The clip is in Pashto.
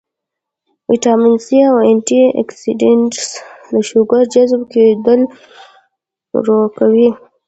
وټامن سي او انټي اکسيډنټس د شوګر جذب کېدل ورو کوي